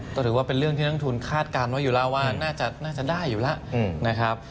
ก็ถือว่าเป็นเรื่องที่นักทุนคาดการณ์ไว้อยู่แล้วว่าน่าจะได้อยู่แล้วนะครับ